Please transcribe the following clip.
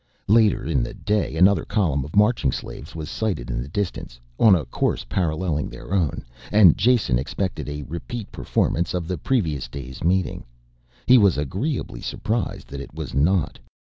Later in the day another column of marching slaves was sighted in the distance, on a course paralleling their own, and Jason expected a repeat performance of the previous day's meeting. He was agreeably surprised that it was not.